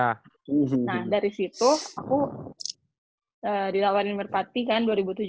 nah dari situ aku dilawanin merpati kan dua ribu tujuh belas